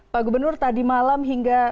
pak gubernur tadi malam hingga